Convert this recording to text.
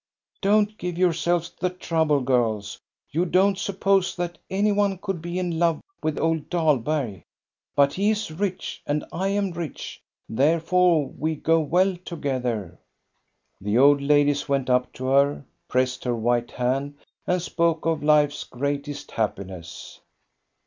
" Don't give yourselves the trouble, girls. You don't suppose that any one could be in love with old Dahlberg. But he is rich, and I am rich, therefore we go well together." The old ladies went up to her, pressed her white hand, and spoke of life's greatest happiness.